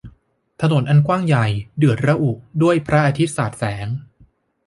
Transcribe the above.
ถนนอันกว้างใหญ่ เดือดระอุด้วยพระอาทิตย์สาดแสง